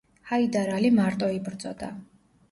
ჰაიდარ ალი მარტო იბრძოდა.